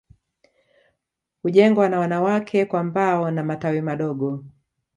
Hujengwa na wanawake kwa mbao na mtawi madogo